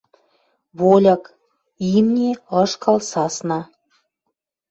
Вольык: имни, ышкал, сасна —